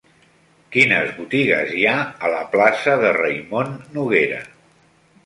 Quines botigues hi ha a la plaça de Raimon Noguera?